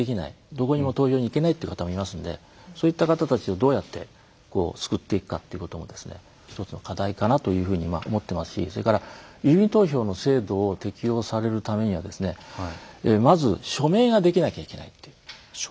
どこにも投票に行けないという方もいますのでそういった方たちをどうやって救っていくかということも一つの課題かなというふうに思ってますしそれから郵便投票の制度を適用されるためにはまず署名ができなきゃいけないという。